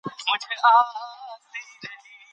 دا پدیدې تداوم او دوام لري.